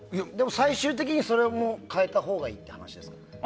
最終的にそれも変えたほうがいいという話ですか？